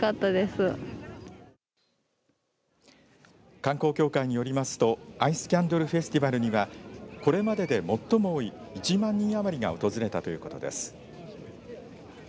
観光協会によりますとアイスキャンドルフェスティバルにはこれまでで最も多い１万人余りが訪れたということです。